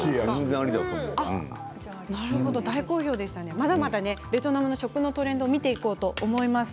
まだまだベトナムの食のトレンドを見ていこうと思います。